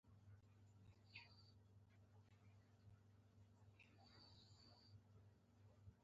د سوډیم کلورایډ په مرکب کې جوړه شوې اړیکه بریښنايي اړیکه ده.